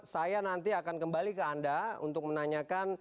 saya nanti akan kembali ke anda untuk menanyakan